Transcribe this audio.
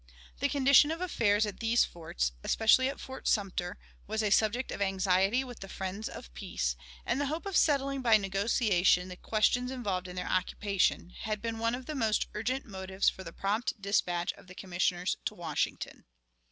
The condition of affairs at these forts especially at Fort Sumter was a subject of anxiety with the friends of peace, and the hope of settling by negotiation the questions involved in their occupation had been one of the most urgent motives for the prompt dispatch of the Commissioners to Washington.